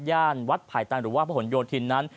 วัดไผ่ตันหรือว่าพระหลโยธินนั้น